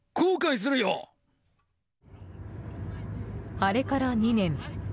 あれから２年。